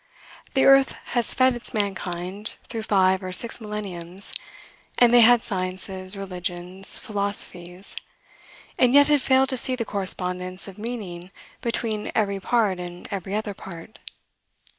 The earth has fed its mankind through five or six millenniums, and they had sciences, religions, philosophies; and yet had failed to see the correspondence of meaning between every part and every other part.